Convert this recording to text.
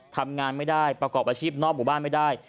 ทำงานไม่ได้ประกอบอาชีพนอกหมู่บ้านไม่ได้